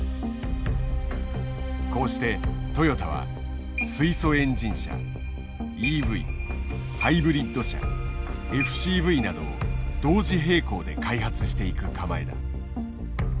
こうしてトヨタは水素エンジン車ＥＶハイブリッド車ＦＣＶなどを同時並行で開発していく構えだ。